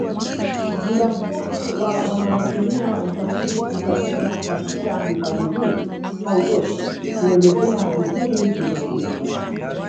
Muda mfupi wa wanaotumia wasafiri kukatiza katika hifadhi hii hautoshi kuelezea vizuri vivutio